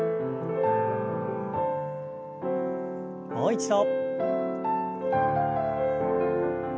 もう一度。